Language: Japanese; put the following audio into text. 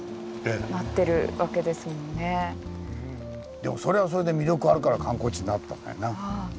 でもそれはそれで魅力あるから観光地になったんだよな。